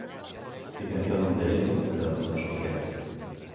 Licenciado en Dereito e Graduado Social.